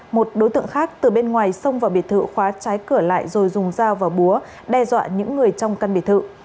một đối tượng khác từ bên ngoài xông vào biệt thự khóa trái cửa lại rồi dùng dao và búa đe dọa những người trong căn biệt thự